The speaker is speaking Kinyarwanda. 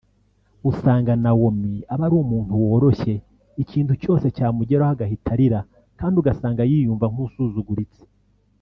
usanga Naomi aba ari umuntu woroshye ikintu cyose cyamugeraho agahita arira kandi ugasanga yiyumva nkusuzuguritse